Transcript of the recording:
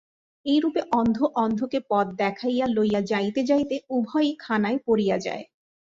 এইরূপে অন্ধ অন্ধকে পথ দেখাইয়া লইয়া যাইতে যাইতে উভয়েই খানায় পড়িয়া যায়।